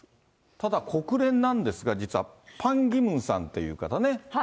ただ国連なんですが、パン・ギムンさんって方ね。